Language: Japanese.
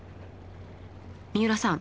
三浦さん